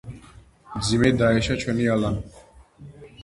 მძიმედ დაეშვა ჩვენი ალამი.